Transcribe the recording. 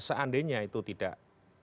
seandainya itu tidak